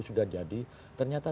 sudah jadi ternyata